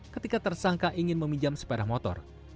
ketika tersangka ingin meminjam sepeda motor